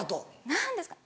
何ですかね